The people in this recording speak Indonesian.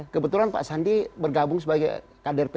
kebetulan pak sandi bergabung sebagai kader p tiga